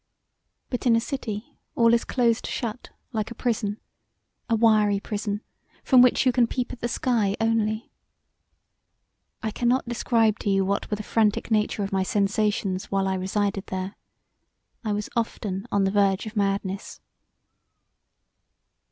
But in a city all is closed shut like a prison, a wiry prison from which you can peep at the sky only. I can not describe to you what were the frantic nature of my sensations while I resided there; I was often on the verge of madness.